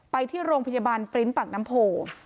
ไปที่โรงพยาบาลปริ้นต์ปากน้ำโพ